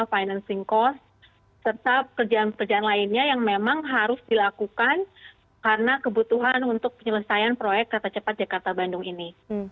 financing cost serta pekerjaan pekerjaan lainnya yang memang harus dilakukan karena kebutuhan untuk penyelesaian proyek kereta cepat jakarta bandung ini